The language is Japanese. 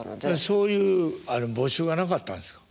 そういう募集はなかったんですか。